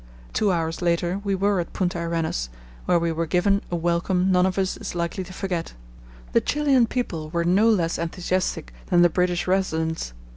Two hours later we were at Punta Arenas, where we were given a welcome none of us is likely to forget. The Chilian people were no less enthusiastic than the British residents.